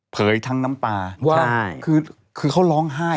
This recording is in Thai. เผยทั้งน้ำตาคือล้องไห้